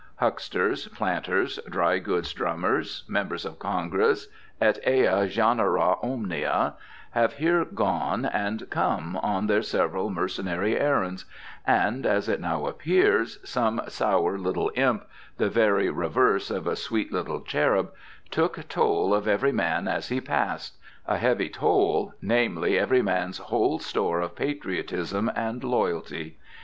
Hucksters, planters, dry goods drummers, Members of Congress, et ea genera omnia, have here gone and come on their several mercenary errands, and, as it now appears, some sour little imp the very reverse of a "sweet little cherub" took toll of every man as he passed, a heavy toll, namely, every man's whole store of Patriotism and Loyalty.